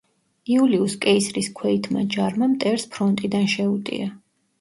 იულიუს კეისრის ქვეითმა ჯარმა მტერს ფრონტიდან შეუტია.